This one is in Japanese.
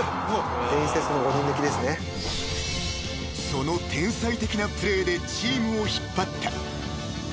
［その天才的なプレーでチームを引っ張った］